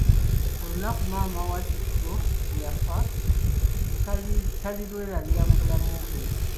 Olunaku maama wa Kizito lwe yafa tali lwelabira mu bulamu bwe.